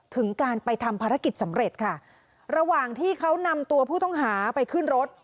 ถึงการไปทำภารกิจสำเร็จค่ะระหว่างที่เขานำตัวผู้ต้องหาไปขึ้นรถ